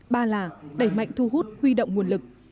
ba là đẩy mạnh thu hút huy động nguồn lực